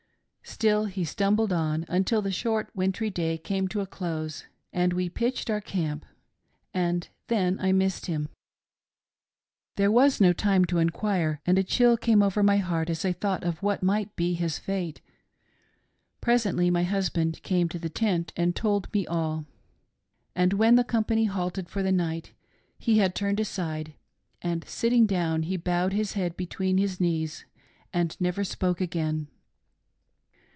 Still he stumbled on, until the short wintry day came to a close, and we pitched our camp, and then I missed him. There was no time to enquire, and a chill came over my heart as I thought of what might be his fate. Presently my husband came to the tent and told me all. The poor man had dragged the cart up to the last moment, and, when the company halted for the night, he had turned aside, and sitting down he bowed his head between his knees and never spoke again.